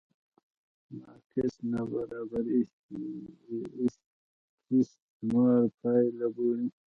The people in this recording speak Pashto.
مارکس نابرابري استثمار پایله بولي.